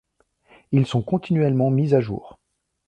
Ils sont continuellement mis à jour.